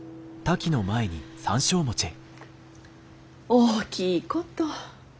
大きいこと。